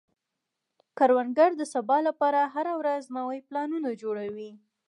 کروندګر د سبا لپاره هره ورځ نوي پلانونه جوړوي